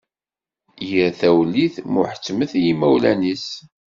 Yir tawellit, muḥettmet i yimawlan-is.